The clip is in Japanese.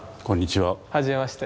はじめまして。